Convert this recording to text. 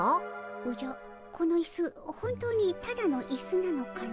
おじゃこのイス本当にただのイスなのかの？